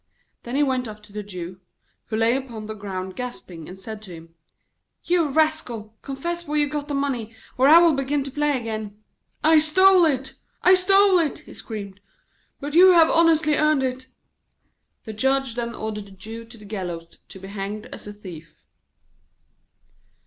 Then he went up to the Jew, who lay upon the ground gasping, and said to him: 'You rascal, confess where you got the money, or I will begin to play again.' 'I stole it! I stole it!' he screamed; 'but you have honestly earned it.' The Judge then ordered the Jew to the gallows to be hanged as a thief.